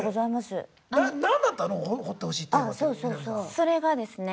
それがですね